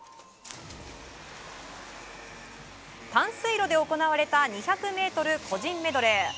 短水路で行われた２００ｍ個人メドレー。